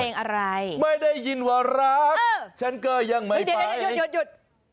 เพลงอะไรไม่ได้ยินว่ารักเออฉันก็ยังไม่ไปเดี๋ยวอยู่